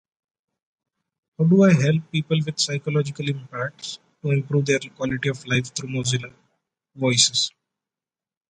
Regarded as exceptionally cool by his comrades, Chowne combined fearlessness with a self-effacing manner.